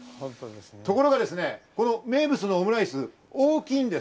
ところがですね、この名物のオムライス、大きいんです。